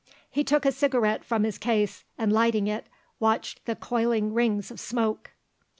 He took a cigarette from his case, and lighting it, watched the coiling rings of smoke.